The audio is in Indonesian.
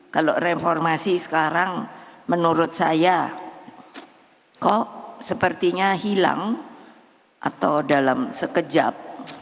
kalau reformasi sekarang menurut saya kok sepertinya hilang atau dalam sekejap